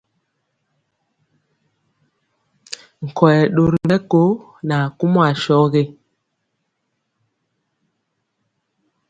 Nkɔyɛ ɗori mɛko nɛ akumɔ asɔgi.